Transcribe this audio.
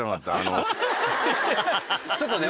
ちょっとね